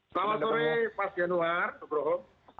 selamat sore mas yanuar nugroh